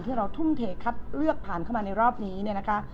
ที่เราทุ่มเทคัดเลือกผ่านเข้ามาในรอบนี้เนี่ยนะคะ